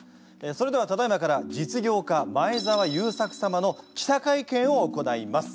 それではただいまから実業家前澤友作様の記者会見を行います。